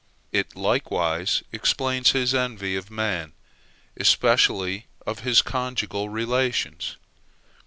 It likewise explains his envy of man, especially of his conjugal relations.